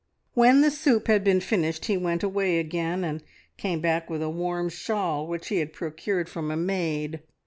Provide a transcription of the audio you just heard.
When the soup had been finished he went away again, and came back with a warm shawl which he had procured from a maid.